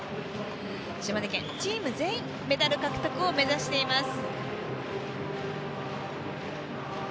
島根県、チーム全員メダル獲得を目指しています。